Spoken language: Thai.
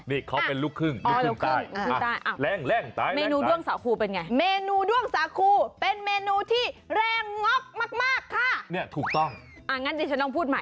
นี่เขาเป็นลูกครึ่งลูกครึ่งใต้แรงใต้